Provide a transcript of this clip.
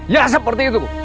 ya seperti itu